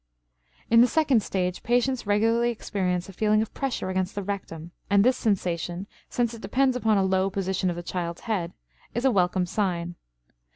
In the second stage patients regularly experience a feeling of pressure against the rectum, and this sensation, since it depends upon a low position of the child's head, is a welcome sign.